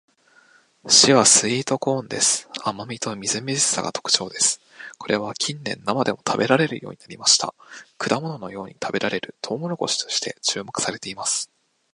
自宅などで食べているトウモロコシはスイートコーンです。甘味とみずみずしさが特徴です。これは近年生でも食べられるようになりました。果物のように食べられるトウモロコシとして注目されています。